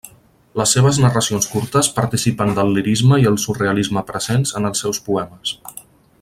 Les seves narracions curtes participen del lirisme i el surrealisme presents en els seus poemes.